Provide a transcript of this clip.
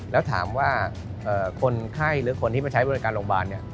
แล้วถามว่าคนไข้หรือคนที่มาใช้บริการโรงพยาบาล